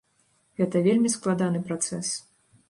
Гэта вельмі складаны працэс.